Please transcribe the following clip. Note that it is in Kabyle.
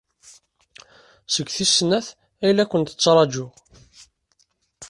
Seg tis snat ay la kent-ttṛajuɣ.